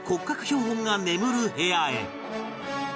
標本が眠る部屋へ